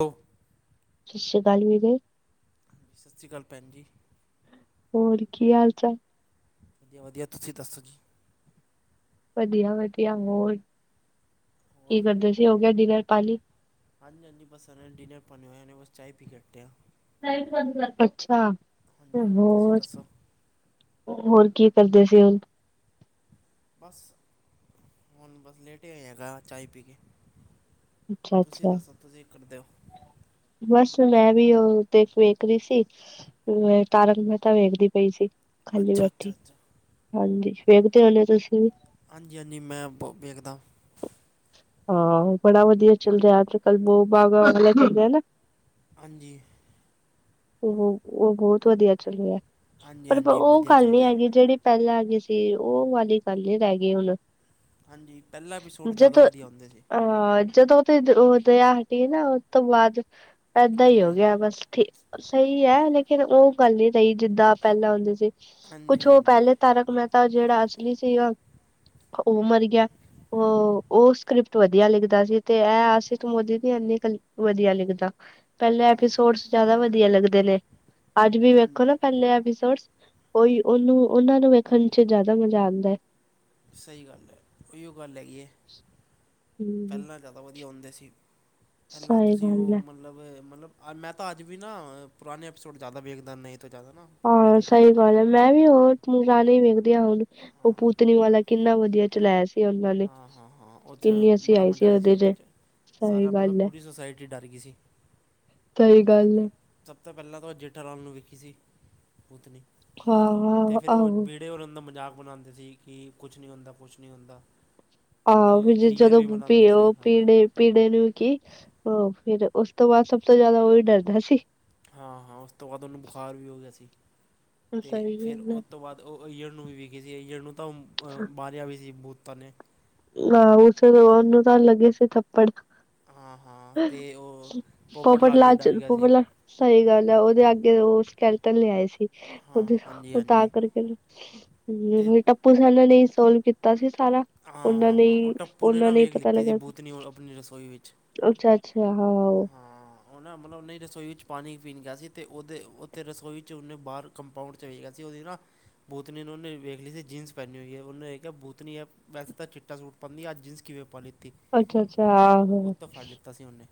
ਹੋ ਸਤਿ ਸ਼੍ਰੀ ਅਕਾਲ ਵੀਰੇ ਸਤਿ ਸ਼੍ਰੀ ਅਕਾਲ ਭੈਣ ਜੀ। ਹੋਰ ਕੀ ਹਾਲ ਚਾਲ? ਵਧੀਆ ਵਧੀਆ ਤੁਸੀਂ ਦੱਸੋ ਜੀ? ਵਧੀਆ-ਵਧੀਆ, ਹੋਰ ਹੋਰ ਕੀ ਕਰਦੇ ਸੀ ਹੋਰ ਹੋ ਗਿਆ ਡਿਨਰ ਪਾਣੀ? ਹਾਂਜੀ-ਹਾਂਜੀ, ਬਸ ਨੇ ਡਿਨਰ ਭਣੇੇ ਹੋਏ ਬਸ ਚਾਏ ਪੀ ਕੇ ਹੱਟੇ ਹਾਂ। ਅੱਛਾ, ਤੇ ਹਾਂਜੀ ਤੁਸੀਂ ਹੋਰ? ਦੱਸੋ ਹੋਰ ਕੀ ਕਰਦੇ ਸੀ ਹੁਣ? ਬਸ ਹੁਣ ਲੇਟ ਹੀ ਆਏਗਾ ਚਏ ਪੀ ਕੇ, ਤੁਸੀਂ ਅੱਛਾ-ਅੱਛਾ। ਦੱਸੋ ਤੁਸੀਂ ਕੀ ਕਰਦੇ ਹੋ? ਬਸ ਮੈਂ ਵੀ ਉਹ ਤੇ ਵੇਖ ਰਹੀ ਸੀ। ਮੈਂ ਤਾਰਕ ਮਹਿਤਾ ਵੇਖਦੀ ਪਈ ਸੀ। ਖਾਲੀ ਅੱਛਾ ਅੱਛਾ ਬੈਠੀ ਅੱਛਾ ਹਾਂਜੀ, ਵੇਖਦੇ ਹੋਣੇ ਹੋ ਤੁਸੀਂ ਹਾਂਜੀ-ਹਾਂਜੀ ਮੈਂ ਬਹੁਤ ਵੇਖਦਾ। ਹਾਂ ਬੜਾ ਵਧੀਆ ਚੱਲ ਰਿਹਾ ਅੱਜ-ਕੱਲ ਬਹੁ ਬਾਗ ਵਾਲ ਚੱਲ ਰਿਹਾ ਨਾ। ਹਾਂਜੀ ਉਹ ਉਹ ਬਹੁਤ ਵਧੀਆ ਚੱਲਿਆ ਹਾਂਜੀ ਪਰ ਹਾਂਜੀ ਉਹ ਵਧੀਆ ਗੱਲ ਚੱਲ ਨੀ ਰਿਹਾ ਹੈਗੀ ਜਿਹੜੀ ਪਹਿਲਾਂ ਆਗੇ ਸੀ ਉਹ ਵਾਲੀ ਗੱਲ ਨੀ ਰਹਿ ਗਈ ਹੁਣ ਹਾਂਜੀ ਪਹਿਲਾਂ ਐਪੀਸੋਡ ਜ਼ਿਆਦਾ ਵਧੀਆ ਹੁੰਦੇ ਸੀ। ਹਾਂ ਜਦੋਂ ਤੇ ਉਹ ਦਇਆ ਹਟੀ ਨਾ ਉਸ ਤੋਂ ਬਾਅਦ ਐਦਾਂ ਹੀ ਹਾਂਜੀ ਹੋ ਗਿਆ ਹਾਂਜੀ ਬਸ ਠੀ। ਸਹੀ ਹੈ, ਲੇਕਿਨ ਉਹ ਗੱਲ ਨੀ ਰਹੀ ਜਿੱਦਾਂ ਪਹਿਲਾਂ ਹੁੰਦੇ ਸੀ, ਹਾਂਜੀ ਕੁਛ ਉਹ ਹਾਂਜੀ ਪਹਿਲੇ ਤਾਰਕ ਮਹਿਤਾ ਜਿਹੜਾ ਅਸਲੀ ਸੀਗਾ, ਉਹ ਮਰ ਗਿਆ। ਉਹ, ਉਹ ਸਕ੍ਰਿਪਟ ਵਧੀਆ ਲਿਖਦਾ ਸੀ ਤੇ ਇਹ ਆਸ਼ਤ ਮੋਦੀ ਨੀ ਐਨੀ ਵਧੀਆ ਲਿਖਦਾ। ਪਹਿਲੇ ਹਾਂ ਐਪੀਸੋਡਸ ਜਿਆਦਾ ਵਧੀਆ ਲੱਗਦੇ ਨੇ ਅੱਜ ਵੀ ਵੇਖੋ ਨਾ। ਹਾਂਜੀ ਪਹਿਲੇ ਐਪੀਸੋਡ ਉਹੀ ਉਹਨੂੰ ਉਹ ਨੂੰ ਵੇਖਣ ਚ ਜਿਆਦਾ ਮਜ਼ਾ ਆਦਾ। ਸਹੀ ਗੱਲ ਹੈ, ਉਹੀਓ ਗੱਲ ਹੈ, ਹਮ ਪਹਿਲਾਂ ਜ਼ਿਆਦਾ ਵਧੀਆ ਹੁੰਦੇ ਸੀ, ਪਹਿਲਾਂ ਸਹੀ ਤੁਸੀਂ ਗੱਲ ਉਹ ਹੈ ਮਤਲਬ ਮਤਲਬ ਮਤਲਬ ਮੈਂ ਤਾਂ ਅੱਜ ਵੀ ਨਾ ਪੁਰਾਣੇ ਐਪੀਸੋਡ ਜ਼ਿਆਦਾ ਵੇਖਦਾ, ਨਹੀਂ ਤੋ ਜ਼ਿਆਦਾ ਨਾ। ਪੁਰਾਣੇ ਹਾਂ ਦੇਖਦਾ ਸਹੀ ਗੱਲ ਹੈ, ਮੈਂ ਵੀ ਉਹ ਰਾਣੇ ਵੇਖਦੀ ਹਾਂ ਹੁਣ ਉਹ ਹਾਂ ਭੁਤਨੀ ਵਾਲਾ, ਕਿੰਨਾ ਵਧੀਆ। ਚ ਲੈ, ਹਾਂ, ਹਾਂ, ਹਾਂ, ਉਹ ਚ, ਬੜਾ ਮਜ਼ਾ ਆਇਆ ਸੀ, ਉਹਦੇ 'ਚ ਸਹੀ ਸਾਰਾ ਮਤਲਬ, ਗੱਲ ਹੈ ਪੂਰੀ ਸੋਸਾਇਟੀ ਡਰ ਗਈ ਸੀ। ਸਹੀ ਗੱਲ ਹਾਂਜੀ ਹੈ। ਸਭ ਤੋਂ ਪਹਿਲਾਂ ਤਾਂ ਉਹ ਜੇਠਾ ਲਾਲ ਨੂੰ ਵੇਖੀ ਸੀ, ਭੁਤਨੀ ਹਾਂ ਅਤੇ ਹਾਂ ਫਿਰ ਉਹ ਆਹੋ ਬੀੜ ਬੇ ਉਹ ਦਾ ਮਜ਼ਾਕ ਬਣਾਦੇ ਸੀ, ਕਿ ਕੁਛ ਨਹੀਂ ਹੁੰਦਾ ਕੁਛ ਨਹੀਂ ਹੁੰਦਾ। ਆਹੋ, ਵੀ ਜੇ ਈਅਰ ਜਦੋ ਵੀ ਮਨਾਉਂਦਾ ਸੀ ਉਹ ਹਾਂ ਪੀੜੇ, ਪੀੜੇ ਨੂੰ ਕੀ, ਉਹ ਫਿਰ ਉਸ ਤੋਂ ਬਾਅਦ ਸਭ ਤੋਂ ਜਿਆਦਾ ਉਹੀ ਡਰਦਾ ਸੀ। ਹਾਂ-ਹਾਂ, ਉਸ ਤੋਂ ਬਾਅਦ ਉਹਨੂੰ ਬੁਖਾਰ ਵੀ ਹੋ ਗਿਆ ਸੀ, ਤੇ ਸਹੀ ਫਿਰ ਗੱਲ ਹੈ ਉਹ ਤੋਂ ਬਾਅਦ ਉਹ ਈਅਰ ਨੂੰ ਵੀ ਵਿਖੀ ਸੀ, ਈਅਰ ਨੂੰ ਤਾਂ ਅਹ ਮਾਰਿਆ ਵੀ ਸੀ ਬੂਤਾਂ ਨੇ ਆਹ ਉਸੇ ਤੋ ਬਾਦ, ਔਨੂੰ ਤਾਂ ਲੱਗੇ ਸੀ ਥੱਪੜ ਹਾਂ ਹਾਂ ਅਤੇ ਉਹ ਪੋਪਟ ਵੀ ਲਾਲ, ਡਰ ਗਿਆ ਸੀ ਪੋਪਟ ਲਾ ਸਹੀ ਗੱਲ ਹੈ, ਉਹਦੇ ਅੱਗੇ ਉਹ ਸਕੈਲਿਟਨ ਲਿਆਏ ਸੀ। ਔ ਹਾਂ ਦੇ ਹਾਂਜੀ ਉਹ ਤਾਂ ਆ ਹਾਂਜੀ ਕਰਕੇ ਅਤੇ ਹੂੰ, ਆਪ ਸਾਨੇ ਹੀ, ਸੋਲਵ ਕੀਤਾ ਸੀ ਸਾਰਾ, ਹਾਂ ਉਹਨਾਂ ਹਾਂ ਨੇ ਹਾਂ ਉਹ ਹੀ, ਟੱਪੂ ਉਹਨਾਂ ਨਾ ਨੇ ਹੀ, ਵੇਖ ਪਤਾ ਲਿੱਤੀ ਸੀ ਲੱਗਾਗਾ। ਬੂਤਨੀ ਆਪਣੀ ਰਸੋਈ ਅੱਛਾ, ਅੱਛਾ ਹਾਂ, ਉਹੇ ਮਤਲਬ ਉਹਨਾ ਰਸੋਈ ਵਿੱਚ ਪਾਣੀ ਪੀਣ ਗਿਆ ਸੀ, ਅਤੇ ਉਹਦੇ ਉੱਥੇ ਰਸੋਈ ਵਿੱਚ ਔਨੇ ਬਾਹਰ ਕੰਪਾਊਂਡ 'ਚ ਵੇਖ ਗਿਆ ਸੀ, ਉਹਦੀ ਨਾ ਭੁਤਨੀ ਨੇ ਉਹਨੇ ਵੇਖ ਲਈ ਸੀ ਜੀਨਸ ਪਹਿਨੀ ਹੋਈ ਹੈ, ਉਹਨੇ ਇਹ ਕਿਹਾ ਭੁਤਨੀ ਹੈ। ਵੈਸੇ ਤਾਂ ਚਿੱਟਾ ਸੂਟ ਪਾਉਨੀ ਆ ਜੀਨਸ ਕਿਵੇਂ ਪਾਣੀ ਅੱਛਾ ਅੱਛਾ ਦਿੱਤਾ ਸੀ ਔ ਨੇ।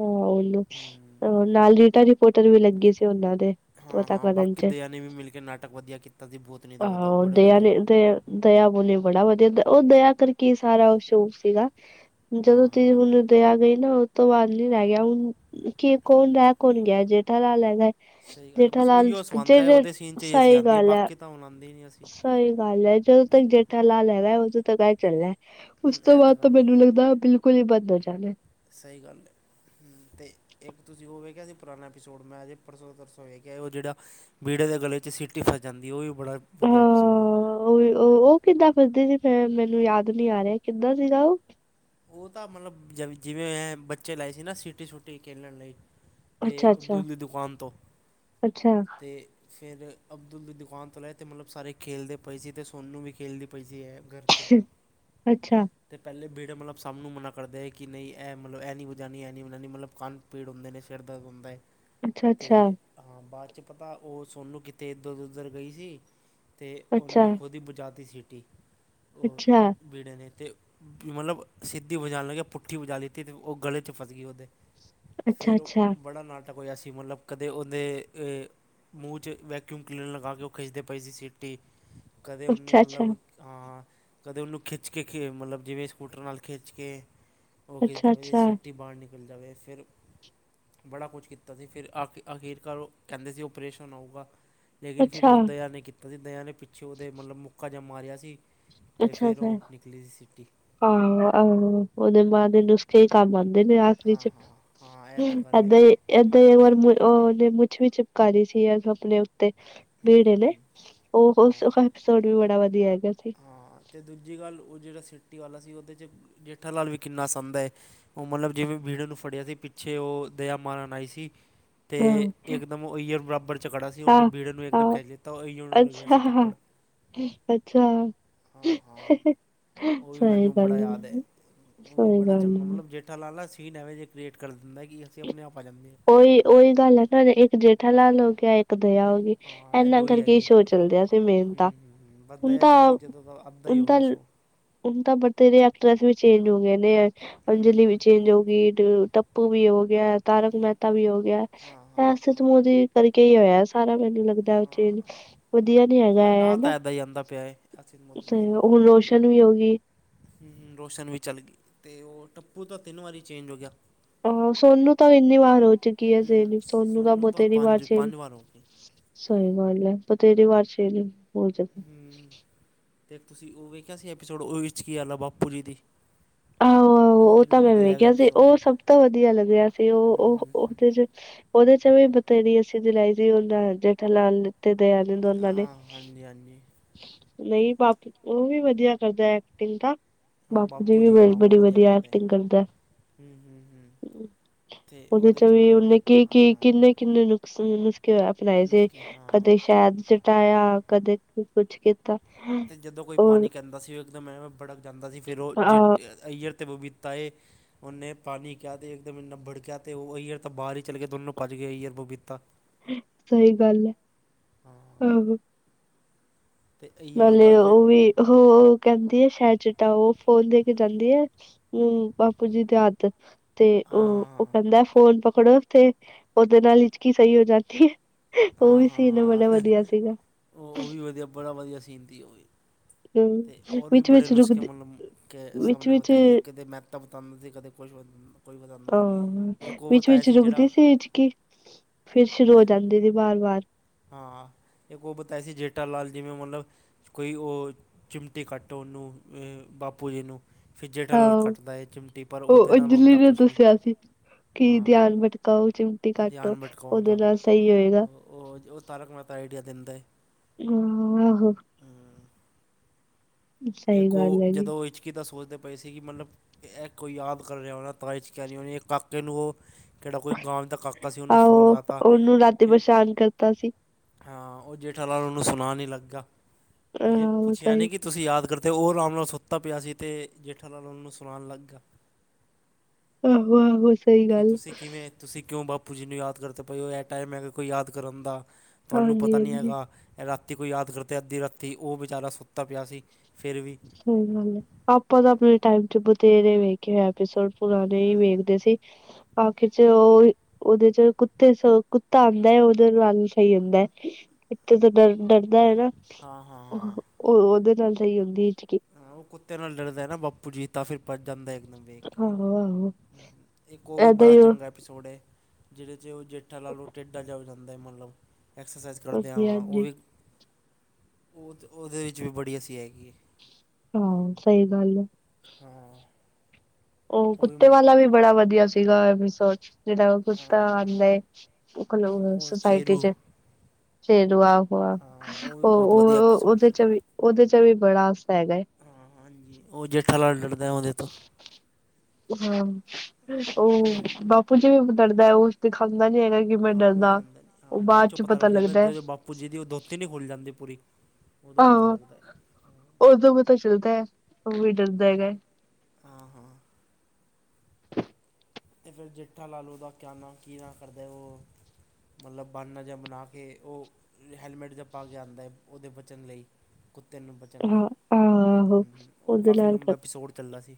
ਹਾਂ, ਔ ਹੀ ਨਾਲ ਰੀਟਾ ਰਿਪੋਟਰ ਵੀ ਲੱਗੇ ਸੀ ਉਹਨਾਂ ਦੇ, ਪਤਾ ਕਰਨ ਚ ਨਹੀ, ਵੀ ਮਿਲ ਕੇ ਨਾਟਕ ਨਾਟਕ ਵਧੀਆ ਕੀਤਾ ਸੀ, ਭੁਤਨੀ ਦਾ ਉਹਦਾ ਬੜੇ ਵਧੀਆ ਤੇ ਦਇਆ ਬੋਲੇ ਬੜਾ ਵਧੀਆ, ਉਹ ਦਇਆ ਕਰਕੇ ਸਾਰਾ ਸ਼ੋ ਸੀਗਾ। ਜਦੋਂ ਹਾਂ ਤੁਸੀ ਹੁਣ ਹਾਂ ਦਿਆ ਆ ਗਈ ਨਾ, ਉਸ ਤੋਂ ਬਾਅਦ ਨੀ ਰਹਿ ਗਿਆ ਹੁਣ ਕੀ ਕੌਣ, ਰਹਿ ਕੌਣ ਗਿਆ, ਜੇਠਾ ਲਾਲ ਹੈਗਾ ਏ। ਸਹੀ ਗੱਲ ਹੈ, ਜੇਠਾ ਬਸ ਲਾਲ ਉਹੀਓ ਜੇ ਸਵੰਦਾ ਹੈ, ਜੇ ਉਹਦੇ ਸੀਨ 'ਚ ਹੀ ਅਸੀਂ ਸਹੀ ਆਉਂਦੇ ਏ, ਗੱਲ ਹੈ ਬਾਕੀ ਤਾਂ ਹੁਣ ਆਉਂਦੇ ਹੀ ਨਹੀਂ ਅਸੀਂ। ਸਹੀ ਗੱਲ ਹੈ, ਜਦੋਂ ਜੇ ਤੱਕ ਜ ਲਾ ਲੈਗਾ ਉਦੋਂ ਤਾਂ ਐ ਚੱਲਨਾ, ਉਸ ਹੂੰ, ਤੋਂ ਇਹ ਬਾਅਦ ਤਾਂ ਗੱਲ ਮੈਨੂੰ ਹੈਗੀ ਲੱਗਦਾ ਬਿਲਕੁਲ ਹੀ ਬੰਦ ਹੋ ਜਾਣਾ। ਸਹੀ ਗੱਲ ਹੈ। ਤੇ ਇੱਕ ਤੁਸੀਂ ਉਹ ਵੇਖਿਆ ਸੀ ਪੁਰਾਣਾ ਐਪੀਸੋਡ, ਮੈਂ ਅਜੇ ਪਰਸੋਂ ਤਰਸੋਂ ਵੇਖਿਆ, ਉਹ ਜਿਹੜਾ ਬੀਹੜੇ ਦੇ ਗਲੇ ਚ ਸੀਟੀ ਫਸ ਜਾਂਦੀ, ਉਹ ਵੀ ਬੜਾ ਵਧੀਆ ਹਾਂ ਐਪੀਸੋਡ ਹੈ। ਉਹ ਕਿੱਦਾਂ ਫਸਦੀ ਸੀ, ਮੈਂ ਮੈਨੂੰ ਯਾਦ ਨੀ ਆ ਰਿਹਾ, ਕਿੱਦਾਂ ਸੀਗਾ ਉਹ ਉਹ ਤਾਂ ਮਤਲਬ ਜਵੇਂ ਜਿਵੇਂ ਬੱਚੇ ਲਾਏ ਸੀ ਨਾ ਸਿਟੀ ਸੁਟੀ, ਖੇਡਣ ਲਈ ਅਤੇ ਅੱਛਾ ਅੱਛਾ ਅਬਦੁੱਲ ਦੀ ਦੁਕਾਨ ਤੋਂ, ਅੱਛਾ ਤੇ ਫਿਰ ਅਬਦੁਲ ਦੀ ਦੁਕਾਨ ਤੋਂ, ਤੇ ਮਤਲਬ ਸਾਰੇ ਖੇਡਦੇ ਪਏ ਸੀ, ਅਤੇ ਸੋਨੂੰ ਵੀ ਖੇਡਦੀ ਪਈ ਸੀ, ਘਰ। 'ਤੇ ਅੱਛਾ ਤੇ ਪਹਿਲੇ ਬੀੜ ਮਤਲਬ ਸਭ ਨੂੰ ਮਨਾ ਕਰਦੇ ਹੈ ਕਿ, ਨਹੀਂ ਇਹ ਮਤਲਬ ਇਹ ਨਹੀਂ ਬੁਝਾਉਣੀ ਇਹਂ ਨਹੀਂ ਬਝਾਉਣੀ, ਮਤਲਬ ਕਨ ਪੀੜ ਹੁੰਦੇ ਨੇ, ਸਿਰ ਦਰਦ ਹੁੰਦਾ ਹੈ। ਅੱਛਾ ਅੱਛਾ ਅਤੇ ਹਾਂ ਬਾਅਦ 'ਚ ਪਤਾ, ਉਹ ਸੋਨੂੰ ਕਿੱਥੇ ਇੱਧਰ ਉੱਧਰ ਗਈ ਸੀ। ਤੇ ਉਹਨੇ ਅੱਛਾ ਖੁਦ ਹੀ ਬਜਾ ਤੀ ਸੀਟੀ। ਅੱਛਾ, ਬ ਵੀੜੇ ਨੇ ਤੇ, ਮਤਲਬ ਸਿੱਧੀ ਵਜਾਣ ਲੱਗਿਆ ਪੁੱਠੀ ਬਜਾ ਲਿੱਤੀ, ਅਤੇ ਉਹ ਗਲੇ 'ਚ ਫਸ ਗ ਉਹਦੇ ਅੱਛਾ ਅੱਛਾ ਫੇਰ ਉਹ ਬੜਾ ਨਾਟਕ ਹੋਆ ਸੀ, ਮਤਲਬ ਕਦੇ ਉਹਦੇ ਮੂੰਹ 'ਚ ਵੈਕਿਊਮ ਕਲੀਨਰ ਲਗਾ ਕੇ ਉਹ ਖਿੱਚਦੇ ਪਏ ਸੀ ਸੀਟੀ। ਕਦੇ ਉਹਨੂੰ ਅੱਛਾ ਅੱਛਾ ਮਤਲਬ ਅਹ ਕਦੇ ਉਹਨੂੰ ਖਿੱਚ ਕੇ ਮਤਲਬ ਜਿਵੇਂ ਸਕੂਟਰ ਨਾਲ ਖਿੱਚ ਕੇ ਉਹ ਕੀ ਅੱਛਾ ਅੱਛਾ ਅੱਛਾ ਜਾ ਸਿੱਟੀ ਬਾਹਰ ਨਿਕਲ ਜਾਵੇ ਫਿਰ ਬੜਾ ਕੁਛ ਕੀਤਾ ਸੀ ਫਿਰ ਆਖ ਆਖਰਕਾਰ ਉਹ ਕਹਿੰਦੇ ਸੀ ਓਪਰੇਸ਼ਨ ਹਾਉਗਾ। ਲੇਕਿਨ ਫਿਰ ਅੱਛਾ ਉਹ ਅੱਛਾ ਦਇਆ ਨੇ ਕੀਤਾ ਸੀ ਦਇਆ ਨੇ ਪਿੱਛੇ ਉਹਦੇ ਮਤਲਬ ਮੁੱਕਾ ਜਾ ਮਾਰਿਆ ਸੀ। ਤੇ ਫਿਰ ਅੱਛਾ ਉਹ ਨਿਕਲੀ ਸੀ ਸਿਟੀ। ਆਹੋ ਆਹੋ ਉਹਦੇ ਮਾਂ ਦੇ ਨੁਸਖੇ ਹੀ ਕੰਮ ਆਉਂਦੇ ਨੇ ਆਖਰ ਹਾਂ ਵਿੱਚ। ਹਾਂ ਹਾਂ ਇਹ ਤਾਂ ਗੱਲ ਏਦਾ ਹੈਗੀ ਹੀ ਹੈ ਏਦਾਂ ਹੀ ਇੱਕ ਤੇ ਵਾਰ ਮੁੜ ਉਹਨੇ ਮੁੱਛ ਵੀ ਚਿਪਕਾਲੀ ਸੀ ਆਪਣੇ ਉੱਤੇ ਹੂੰ ਬੀੜੇ ਹੂੰ ਨੇ ਹੂੰ ਉਹ ਹਾਂ ਉਸ ਐਪਸੋਡ ਵੀ ਬੜਾ ਵਧੀਆ ਹੈਗਾ ਸੀ। ਹਾਂ ਤੇ ਦੂਜੀ ਗੱਲ ਉਹ ਜਿਹੜਾ ਸਿਟੀ ਵਾਲਾ ਸੀ ਉਹਦੇ 'ਚ ਜੇਠਾਲਾਲ ਵੀ ਕਿੰਨਾ ਸੌਦਾ ਹੈ। ਉਹ ਮਤਲਬ ਜਿਵੇਂ ਬੀੜੇ ਨੂੰ ਫੜਿਆ ਸੀ ਪਿੱਛੇ ਉਹ ਦਇਆ ਮਾਰਨ ਆਈ ਸੀ। ਹਾਂ ਤੇ ਇਕਦਮ ਉਹ ਈਅਰ ਬਰਾਬਰ ਝਗੜਾ ਸੀ ਉਹਨੇ ਹਾਂ ਬੀੜੇ ਨੂੰ ਇੱਕਦਮ ਹਾਂ ਖਹਿ ਲਤਾ ਉਹ ਈਅਰ ਨੂੰ ਲੱਗਿਆ ਅੱਛਾ ਸੀ ਥਪੜ ਅੱਛਾ। ਹਾਂ ਹਾਂ ਉਹ ਵੀ ਸਹੀ ਮੈਨੂੰ ਬੜਾ ਗੱਲ ਯਾਦ ਹੈ ਉਹ ਵੀ ਸਹੀ ਬੜਾ ਗੱਲ ਚੰਗਾ ਹੈ ਮਤਲਬ ਜੇ ਜੇਠਾ ਲਾਲ ਸੀਨ ਐਵੇ ਜੇ ਕ੍ਰੀਏਟ ਕਰ ਦਿੰਦਾ ਕਿ ਹਸੀਂ ਆਪਣੇ ਆਪ ਆ ਜਾਂਦੇ ਹਾਂ। ਉਹੀ ਉਹੀ ਗੱਲ ਸਾਡੇ ਇੱਕ ਜੇਠਾ ਲਾਲ ਹੋ ਗਿਆ ਇੱਕ ਦਇਆ ਇਹ ਹੋ ਗਈ ਹਾਂ ਇਹ ਇਨਾ ਦੋ ਹੀ ਕਰਕੇ ਹੈਗੇ ਸ਼ੋਅ ਚੱਲਦਾ ਸੀ ਮੇਨ ਹੂੰ ਤਾਂ। ਹੂੰ ਹੂੰ ਬਸ ਹੁਣ ਦਇਆ ਤਾਂ ਚਲੀ ਗਈ ਜਦੋਂ ਦਾ ਅੱਧਾ ਹੀ ਹੁਣ ਹੋ ਗਿਆ ਤਾਂ ਸ਼ੋਅ ਹੁਣ ਤਾਂ ਬਥੇਰੇ ਐਕਟ੍ਰਸ ਵੀ ਚੇਂਜ ਹੋ ਗਏ ਨੇ ਹੂੰ ਅੰਜਲੀ ਹੂੰ ਚੇਜ ਹੋਗੀ ਟੱਪੂ ਵੀ ਹੋ ਗਿਆ ਤਾਰਕ ਮਹਿਤਾ ਵੀ ਹੋ ਗਿਆ ਹਾਂ ਹਾਂ ਐਸੇ ਮੋਦੀ ਕਰਕੇ ਹੀ ਹੋਇਆ ਸਾਰਾ ਮੈਨੂੰ ਲੱਗਦਾ। ਹਰ ਚੀਜ ਹਾਂ ਵਧੀਆ ਨੀ ਹੈਗਾ ਹਾਂ ਹੈ। ਨਾ ਹਨਾ। ਤਾਂ ਇੱਦਾਂ ਹੀ ਆਉਂਦਾ ਪਿਆ ਹੈ ਅਸਿਤ ਤੇ ਮੋਦੀ ਦਾ ਹੁਣ ਰੋਸ਼ਨ ਵੀ ਹੋਗੀ। ਰੋਸ਼ਨ ਵੀ ਚੱਲ ਗਈ ਤੇ ਉਹ ਟੱਪੂ ਤਾਂ ਤਿੰਨ ਵਾਰੀ ਚੇਂਜ ਹੋ ਗਿਆ। ਆਹ ਸੋਨੂੰ ਤਾਂ ਇੰਨੀ ਵਾਰ ਹੋ ਚੁੱਕੀ ਹੈ ਹੂੰ ਸੇਲ, ਸੋਨੂੰ ਤਾਂ ਬਹੁਤ ਇੰਨੀ ਵਾਰ ਪੰਜ ਚੇਜ। ਪੰਜ ਵਾਰ ਹੋ ਗਈ ਸਹੀ ਗੱਲ ਹੈ। ਬਥੇਰੀ ਵਾਰ ਚੇਜ ਹੋਗੀ ਹੂੰ ਤੇ ਤੁਸੀਂ ਉਹ ਵੇਖਿਆ ਸੀ ਐਪੀਸੋਡ, ਉਹ ਵਿੱਚ ਕੀ ਆ-ਆ ਬਾਪੂ ਜੀ ਦੀ। ਆਹੋ [inaudible] ਆਹੋ ਉਹ ਤਾਂ ਮੈਂ ਵਧੀਆ ਹੈਗਾ ਵੇਖਿਆ ਸੀ। ਐਪੀਸੋਡ ਉਹ ਸਭ ਤੋਂ ਵਧੀਆ ਲੱਗਿਆ ਸੀ। ਉਹ ਹੂੰ ਉਹ, ਹੂੰ ਹੂੰ ਉਹਦੇ ਚ ਉਹਦੇ ਚ ਵੀ ਬਥੇਰੀ ਅਸੀਂ ਜਲਾਈ ਸੀ ਹੁੰਦਾ ਜੇਠਾ ਲਾਲ। ਤੇ ਦਾਇਆ ਨੇ, ਦੋਨਾਂ ਨੇ। ਹਾਂ ਹਾਂਜੀ ਹਾਂਜੀ ਨਹੀਂ, ਬਾਪੂ ਉਹ ਵੀ ਵਧੀਆ ਕਰਦਾ ਐਕਟਿੰਗ ਤਾਂ। ਉਹ ਬਾਪੂ ਦੀ ਵੀ ਜੀ ਹਾਂ ਬ ਉਹ ਬੜੀ ਵਧੀਆ ਕਰਦੇ ਐਕਟਿਂਗ ਕਰਦਾ। ਹੂੰ ਹੂੰ ਹੂੰ ਤੇ ਉਹਦੇ 'ਚ ਵੀ ਮਤਲਬ ਉਹਨੇ ਕੀ ਕੀ ਹਾ। ਕਿੰਨੇ ਕਿੰਨੇ ਨੁਸ- ਨੁਸਖੇ ਅਪਣਾਏ ਸੀ। ਹਾਂ ਕਦੇ ਸ਼ਹਿਦ ਚਟਾਇਆ, ਕਦੇ ਕੁਛ ਕੀਤਾ। ਅਤੇ ਜਦੋਂ ਕੋਈ ਹੋਰ ਪਾਣੀ ਕਹਿੰਦਾ ਸੀ ਉਹ ਇੱਕਦਮ ਐਵੇ ਬੜਕ ਜਾਂਦਾ ਸੀ। ਫਿਰ ਉਹ ਜੇ ਆਹ ਅਈਅਰ ਤੇ ਬਬੀਤਾ ਏ। ਉਹਨੇ ਪਾਣੀ ਕਿਹਾ ਤੇ ਇਕਮ ਇੰਨਾ ਭੜਕਿਆ। ਤੇ ਉਹ ਈਅਰ ਤਾਂ ਬਾਹਰ ਹੀ ਚੱਲ ਗਿਆ ਦੋਨੋਂ ਭੱਜ ਗਏ। ਈਅਰ, ਬਬੀਤਾ। ਸਹੀ ਗੱਲ ਹੈ। ਹਾਂ ਆਹੋ। ਅਤੇ ਇਹੀ ਨਾਲੇ ਉਹਦਾ ਜੇ ਉਹ ਵੀ ਉਹ, ਉਹ ਕਹਿੰਦੀ ਹੈ ਸ਼ਹਿਦ ਚਿੱਟਾਓ। ਉਹ ਫੋਨ ਦੇ ਕੇ ਜਾਂਦੀ ਹੈ। ਹੂੰ। ਬਾਪੂ ਜੀ ਦੀ ਆਦਤ ਤੇ ਹਾਂ ਉਹ, ਉਹ ਕਹਿੰਦਾ ਫੋਨ ਪਕੜੋ। ਤੇ ਓਦੇ ਨਾਲ ਹਿਚਕੀ ਸਹੀ ਹੋ ਜਾਂਦੀ ਹੈ। ਉਹ ਹਾਂ ਵੀ ਹਾਂ ਸੀਨ ਹਾਂ ਬੜਾ ਵਧੀਆ ਸੀਗਾ। ਉਹ ਉਹ ਵੀ ਵਧੀਆ ਬੜਾ ਵਧੀਆ ਸੀਨ ਸੀ। ਉਹ ਵੀ। ਤੇ ਹੂੰ ਹੋਰ ਵੀ ਬੜੇ ਵਿੱਚ-ਵਿੱਚ ਨੁਸਖੇ ਰੁਕਦੇ ਮਤਲਬ ਕੇ ਸਾਹਮਣੇ ਵਿੱਚ-ਵਿੱਚ ਬਿਤਾਈ ਸੀ। ਇਕ ਤੇ ਮੈ [unintelligible] ਸੀ। ਕਦੇ ਕੁਛ ਹੋ ਜਾਦਾ ਆਹ। ਵਿੱਚ-ਵਿਚ ਰੁਕਦੀ ਜਿਹੜਾ ਸੀ ਹਿਚਕੀ। ਫੇਰ ਸ਼ੁਰੂ ਹੈਂ ਜਾਂਦੇ ਸੀ ਵਾਰ -ਵਾਰ। ਹਾਂ। ਇੱਕ ਉਹ ਬਤਾਏ ਸੀ ਜੇਠਾ ਲਾਲ ਜਿਵੇਂ ਮਤਲਬ ਕੋਈ ਉਹ ਚਿਮਟੀੇ ਕੱਟ, ਉਹਨੂੰ ਬਾਪੂ ਜੀ ਨੂੰ ਫੇਰ ਹਾਂ ਜੇਹੜਾ ਕੱਟਦਾ ਹੈ ਚਿਮਟੀ। ਪਰ ਉਹਦੇ ਨਾਲ ਉਹਦਾ ਕੁਝ ਨਹੀਂ ਕੀ ਧਿਆਨ ਹਾਂ ਭਟਕਾਓ ਚਿਮਟੀ ਕਾਟੋ। ਧਿਆਨ ਭਟਕਾਉਣ ਉਹਦੇ ਦਾ ਨਾਲ ਸਹੀ ਹੋਏ। ਉਹ ਜੋ ਤਾਰਕ ਮੇਹਤਾ ਆਈਡੀਆ ਦਿੰਦਾ ਏ। ਹੂੰ ਆਹੋ। ਸਹੀ ਇੱਕ ਗੱਲ ਉਹ ਹੈਗੀ ਜਦੋਂ ਇਚ ਕਿ ਤਾਂ ਸੋਚਦੇ ਪਏ ਸੀ ਕਿ ਮਤਲਬ, ਇਹ ਕੋਈ ਯਾਦ ਕਰ ਰਿਹਾ ਹੋਣਾ। ਤਾਂ ਹਿਚਕੀ ਆ' ਰਹੀ ਹੋਣੀ ਕਾਕੇ ਨੂੰ ਕਿਹੜਾ ਕੋਈ ਗਾਂਵ ਦਾ ਕਾਫੀ [unintelligible] ਆਹੋ। ਉਹਨੂੰ ਰਾਤੀ ਪਰਸ਼ਾਨ ਕਰਤਾ ਸੀ। ਹਾਂ। ਉਹ ਜੇਠਾਲਾਲ ਉਹਨੂੰ ਸੁਨਾਣ ਈ ਲੱਗਾ। ਅਜੇ ਆਹੋ ਪੁੱਛਿਆ ਸਹੀ ਨਹੀਂ ਕਿ ਤੁਸੀਂ ਯਾਦ ਅਗਰ ਤੇ ਉਹ ਆਰਾਮ ਨਾਲ ਸੁੱਤਾ ਪਿਆ ਸੀ ਤੇ। ਜੇਠਾ ਲਾਲ ਉਹਨ ਨੂੰ ਸੁਨਾਣ ਲੱਗਾ। ਆਹੋ -ਆਹੋ ਸਹੀ ਕਿ ਗੱਲ। ਤੁਸੀਂ ਕਿਵੇਂ ਤੁਸੀਂ ਕਿਉਂ ਬਾਪੂ ਜੀ ਨੂੰ ਯਾਦ ਕਰਦੇ ਪਏ ੳ ਇਹ ਟਾਈਮ ਹੈਗਾ ਕੋਈ ਯਾਦ ਕਰਨ ਦਾ। ਤੁਹਾਨੂੰ ਪਤਾ ਨਹੀਂ ਹਾਂਜੀ-ਹਾਂਜੀ ਹੈਗਾ। ਇਹ ਰਾਤੀ ਕੋਈ ਯਾਦ ਕਰਤਾ ਅੱਧੀ ਰਾਤੀ, ਉਹ ਵਿਚਾਰਾ ਸੁੱਤਾ ਪਿਆ ਸੀ। ਫਿਰ ਵੀ ਹ- ਹ ਆਪਾਂ ਤਾਂ ਹਾਂ ਆਪਣੇ ਟਾਈਮ ਚ ਬਥੇਰੇ ਵੇਖੇ ਇਹ ਐਪੀਸੋਡ ਪੁਰਾਣੇ ਹੀ ਹਮ, ਹਮ, ਵੇਖਦੇ ਸੀ। ਬਾਕੀ ਚ ਉਹ ਉਹਦੇ ਚ ਕੁੱਤੇ ਸ ਕੁੱਤਾ ਆਂਦਾ ਹੈ। ਉਹਦੇ ਨਾਲ [unintelligible] ਸਹੀ ਹੁੰਦਾ ਹੈ। ਕਿੱਤੇ ਤੋਂ ਡਰ- ਡਰ ਹੈ ਨਾ। ਹਾਂ ਹਾਂ ਉਹ ਉਹਦੇ ਨਾਲ ਸਹੀ ਹੁੰਦੀ ਏ। ਹਾਂ। ਉਹ ਕੁੱਤੇ ਨਾਲ ਡਰਦਾ ਨਾ ਬਾਪੂ ਜੀ ਤਾ ਫਿਰ ਭੱਜ ਜਾਂਦਾ ਇੱਕ ਦਮ ਵੇਖ ਕੇ ਆਹੋ ਆਹੋ ਇੱਕ ਉਹ ਵੀ ਏਦਾਂ ਬੜਾ ਹੀ ਉਹ। ਚੰਗਾ ਸੋਡੇ। ਜਿਹਦੇ ਚ ਉਹ ਜੇਠਾ ਲਾਲ ੳਹ ਟੇਢਾ ਜਿਆ ਹੋ ਜਾਂਦਾ ਹੈ। ਮਤਲਬ ਐਕਸਰਸਾਈਜ਼ ਕਰਦਿਆਂ ਹਾਂਜੀ ਵਾਂ। ਉਹ ਹਾਂਜੀ ਵੀ ਉਹ, ਉਹਦੇ ਵਿੱਚ ਵੀ ਬੜੀ ਹੱਸੀਂ ਆਏਗੀ। ਹਾਂ। ਸਹੀ ਗੱਲ ਏ। ਹਾਂ ਉਹ ਕੁੱਤੇ ਵਾਲਾ ਵੀ ਬੜਾ ਵਧੀਆ ਸੀਗਾ ਏਪੀਸੋ ਜਿਹੜਾ ਉਹ ਹਾਂ ਕੁੱਤਾ ਹਾਂ ਆਂਦਾ ਉਹ ਸੁਸਾਇਟੀ ਸ਼ੇਰੂ ਚ ਸਰ ਆਹੋ ਆਹੋ। ਹਾਂ [unintelligible] ਵੀ ਉਹ ਬਹੁਤ ਵਧੀਆ ਉਹ ਐਪੀਸੋਡ ਉਹਦੇ ਸੀ ਚ ਵੀ ਉਹਦੇ ਚ ਵੀ ਬੜਾ ਹਾਸਾ ਹੈਗਾ। ਹਾਂ ਹਾਂਜੀ। ਉਹ ਜੇਠਾ ਲਾਲ ਡਰਦਾ ਉਹਦੇ ਤੋਂ ਹਾਂ, ਹਾਂ, ਉਹ ਹੈ ਬਾਪੂ ਜੀ ਵੀ ਡਰਦਾ ਉਹ ਦਿਖਾਂਦਾ ਨੀ ਹੈਗਾ। ਕਿ ਮੈਂ ਹਾਂ ਉਹ ਵੀ ਡਰਦਾ ਉਹ ਬਾਅਦ ਚ ਪਤਾ ਲੱਗਦਾ। ਪੁੱਜੀ ਦੀ ਉਹ ਧੋਤੀ ਨੀ ਖੁੱਲ ਜਾਂਦੀ ਪੂਰੀ [unintelligible] ਉਦੋਂ ਪਤਾ ਆਹੋ ਲੱਗਦਾ ਹੈ ਉਦੋਂ ਪਤਾ ਚੱਲਦਾ ੳਹ ਵੀ ਡਰਦਾ ਹੈਗਾ। ਹਾਂ ਹਾਂ ਤੇ ਫੇਰ ਜੇਠਾ ਲਾਲ ੳਹਦਾ ਕਿਆ ਨਾ ਕਿ ਨਾ ਕਰਦਾ ਉਹ ਮਤਲਬ ਬਨਾ ਜਿਆ ਬਨਾ ਕੇ ਉਹ ਹੈਲਮੇਟ ਜਿਆ ਪਾ ਕੇ ਆਂਦਾ ਏ ਉਹਦੇ ਬਚਣ ਲਈ ਕੁੱਤੇ ਨੂੰ ਬਚਣ ਲਈ ਹਾਂ ਆਹੋ ਉਹ ਉਹਦੇ ਕਾਫੀ ਨਾਲ ਲੰਬਾ ਕਰ- ਏਪੀਸੋਡ ਚੱਲਦਾ ਸੀ।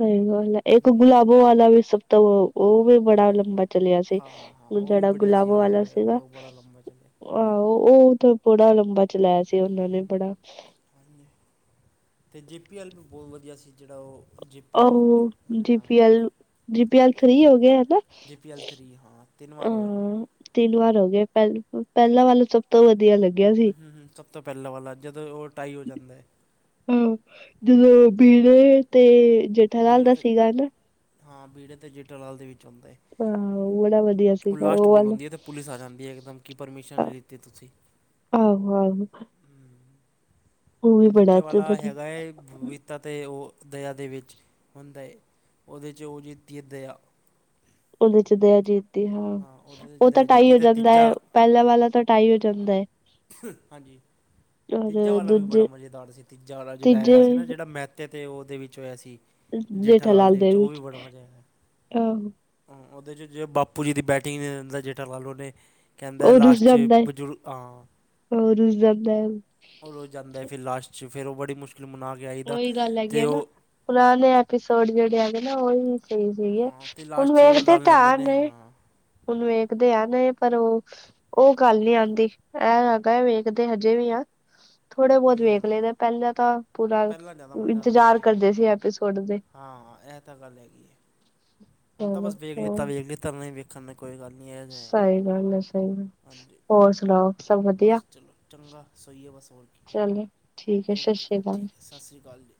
ਸਹੀ ਗਲ ਏ ਇੱਕ ਹੂੰ ਗੁਲਾਬੋ ਵਾਲਾ ਵੀ ਸਭ ਤਾਂ ਉਹ ਉਹ ਵੀ ਬੜਾ ਉਹ ਲੰਬਾ ਚਲਿਆ ਸੀ ਹਾਂ ਹਾਂ ਹਾਂ ਉਹ ਵੀ ਜਿਹੜਾ ਬੜੀਆ ਸੀ ਗੁਲਾਬੋ ਵਾਲਾ ਹੈਗਾ ਸੀਗਾ। ਉਹ ਬੜਾ ਲੰਬਾ ਚੱਲਿਆ। ਆਹੋ ਉਹ ਤਾਂ ਬੜਾ ਲੰਬਾ ਚਲਾਇਆ ਸੀ ਉਹਨਾਂ ਨੇ ਬੜਾ ਤੇ ਜੇ ਪੀ ਐੱਲ ਵੀ ਬਹੁਤ ਵਧੀਆ ਸੀ ਜਿਹੜਾ ਉਹ ਜੇ ਪੀ ਆੳ ਐਲ ਜੇ ਹਾਂ P L. G P L three ਹੋਗੇ ਹੈਨਾ ਜੇ ਪੀ ਐਲ ਥਰੀ ਹਾਂ ਤਿੰਨ ਵਾਰ ਹੋਇਆ ਹਾਂ। ਤਿੰਨ ਵਾਰ ਹੋ ਗਿਆ ਪਹਿਲ ਪਹਿਲਾਂ ਵੱਲ ਸਭ ਤੋਂ ਵਧੀਆ ਲੱਗਿਆ ਸੀ। ਹੂੰ ਹੂੰ ਸਭ ਤੋਂ ਪਹਿਲਾਂ ਵਾਲਾ ਜਦੋਂ ਉਹ ਟਾਈ ਹੋ ਜਾਂਦਾ। ਹਾਂ ਜਦੋਂ ਬੜ ਤੇ। [unintelligible] ਬੀੜੇ ਦਾ ਤੇ ਸੀਗਾ ਨਾ ਹਾਂ ਬੀੜੇ ਤੇ ਜੇਠਾ ਲਾਲ ਦੇ ਵਿੱਚ ਹੁੰਦਾ ਏ। ਹਾਂ ਬੜਾ ਵਧੀਆ ਉਹ ਸੀਗਾ ਲਾਸਟ ਵਾਲਾ ਬੋਲਉਂਦੀ ਹੈ ਅਤੇ ਪੁਲਿਸ ਆ ਜਾਂਦੀ ਹੈ ਇਕ ਦਮ ਕਿ ਪਰਮਿਸ਼ਨ ਨਹੀਂ ਲਤੀ ਤੁਸੀਂ ਆਹੋ ਆਹ। ਅਤੇ ਦੂਜੇ ਵਾਲਾ ਬੜਿਆ ਹੈਗਾ ਏ। ਤਾ ਅਤੇ ਉਹ ਦਇਆ ਦੇ ਵਿੱਚ ਹੁੰਦਾ ਏ ਉਹਦੇ 'ਚ ਉਹ ਜੀਤੀ ਹੈ ਦਇਆ। ਉਹਦੇ ਚ ਦਆਜੀਤ ਦੀ ਹਾਂ ਉਹਦੇ 'ਚ ਉਹ ਤਾਂ ਦਇਆ ਜਿੱਤੀ ਢਾਈ ਹੋ ਤੇ ਜਾਂਦਾ ਤੀਜਾ ਹੈ। ਪਹਿਲਾਂ ਵਾਲਾ ਤਾਂ ਟਾਈ ਹੋ ਜਾਂਦਾ ਹੈ। ਹਾਂਜੀ, ਤੀਜਾ ਔਰ ਵਾਲਾ ਵੀ ਬੜਾ ਦੂਜੇ ਮਜ਼ੇਦਾਰ ਸੀ ਤੀਜਾ ਵਾਲਾ ਜਿਹੜਾ ਤੀਜੇ ਹੈਗਾ ਸੀ ਨਾ ਜਿਹੜਾ ਮੈ ਤੇ ਤੇ ਉਹਦੇ ਵਿੱਚ ਹੋਇਆ ਸੀ ਜੇਠਾਾਲਾਲ ਦੇ ਵਿੱਚ ਉਹ ਵੀ ਬੜਾ ਮਜ਼ਾ ਆਇਆ। ਆਹੋ ਉਹਦੇ 'ਚ ਬਾਪੂ ਜੀ ਦੀ ਬੈਟਿੰਗ ਦਦਾ ਜੇਟਾ ਲਾ ਲਓ ਨੇੇ। ਕਹਿੰਦਾ ਲਾਸਟ 'ਚ ਬਜ਼ੁਰਗ ਹਾਂ। ਹੋ ਰੁਜ਼ਮਦਾਕ ਔਰ ਉਹ ਜਾਂਦਾ ਹੈ ਫਿਰ ਲਾਸਟ 'ਚ ਫਿਰ ਉਹ ਬੜੀ ਮੁਸ਼ਕਿਲ ਮਨਾ ਕੇ ਆਈਦਾ ਉਹੀ ਗੱਲ ਹੈਗੀ ਅਤੇ ਹੈ ਨਾ ਉਹ ਪੁਰਾਣੇ ਐਪੀਸੋਡ ਜਿਹੜੇ ਹੈਗੇ ਨਾ ਉਹੀ ਸਹੀ ਸਹੀ ਹੈ ਹਾਂ ਅਤੇ ਹੁਣ ਲਾਸਟ 'ਚ ਉਹ ਵੇਖਦੇ ਰਲ ਲੈਂਦੇ ਧਿਆਨ ਨੇ। ਹਾਂ ਉਹਨੂੰ ਵੇਖਦੇ ਆ ਨਾ ਪਰ ਉਹ ਉਹ ਗੱਲ ਨੀ ਆਉਂਦੀ ਐ ਹੈਗਾ ਵੇਖਦੇ ਹਜੇ ਵੀ ਆ। ਥੋੜ੍ਹੇ ਬਹੁਤ ਵੇਖ ਹੂੰ ਲਦੇ ਪਹਿਲਾਂ ਤਾਂ ਪੂਰਾ ਪਹਿਲਾਂ ਜ਼ਿਆਦਾ ਮੰਣ ਜਾਂਦਾ ਇੰਤਜ਼ਾਰ ਸੀ ਕਰਦੇ ਐਪੀਸੋਡ ਦੇ ਹਾਂ ਇਹ ਤਾਂ ਗੱਲ ਹੈਗੀ ਹੈ। ਹੁਣ ਤਾਂ ਚਲੋ ਬਸ ਵੇਖ ਲਿੱਤਾ ਹੋਰ ਵੇਖ ਲਿੱਤਾ ਉਹਨਾਂ ਵੇਖਣ ਨੇ ਕੋਈ ਗੱਲ ਨਹੀਂ ਇਹਜ ਸਹੀ ਗੱਲ ਹੈ ਸਹੀ ਗੱਲ ਹਾਂਜੀ ਹੋਰ ਸੁਣਾਓ? ਸਭ ਵਧੀਆ ਬਸ ਚਲੋ ਚੰਗਾ ਸੋਈ ਗਿਆ ਬਸ ਹੋਰ ਕੇ ਚਲੋ ਠੀਕ ਹੈ ਸਤਿ ਓਕੇ ਸ੍ਰੀ ਅਕਾਲ ਠੀਕ ਹੈ? ਸਤਿ ਸ਼੍ਰੀ ਅਕਾਲ ਜੀ।